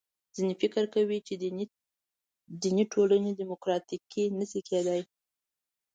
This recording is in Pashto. ځینې فکر کوي چې دیني ټولنې دیموکراتیکې نه شي کېدای.